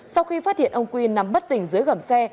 sau khi phát hiện ông quy nằm bất tỉnh dưới gầm xe